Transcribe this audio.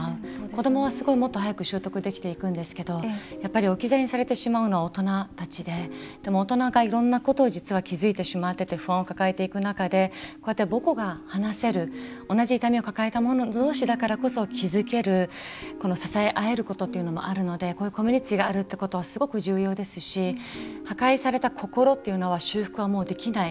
子どもは、すごいもっと早く習得できていくんですけどやっぱり置き去りにされてしまうのは大人たちででも大人がいろんなことを実は気付いてしまってて不安を抱えていく中でこうやって母語が話せる同じ痛みを抱えたもの同士だからこそ気付ける、支え合えることっていうのもあるのでこういうコミュニティーがあるってことはすごく重要ですし破壊された心っていうのは修復はもうできない。